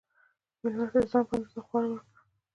مېلمه ته د ځان په اندازه خواړه ورکړه.